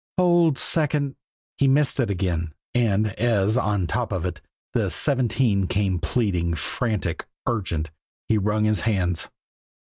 "Hold second " He missed it again and as, on top of it, the "seventeen" came pleading, frantic, urgent, he wrung his hands.